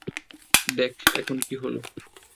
দেখ এখন কী হলো।